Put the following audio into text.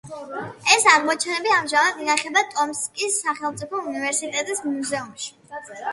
ეს აღმოჩენები ამჟამად ინახება ტომსკის სახელმწიფო უნივერსიტეტის მუზეუმში.